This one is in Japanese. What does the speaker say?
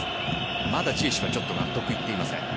まだ、ジエシュは納得いっていません。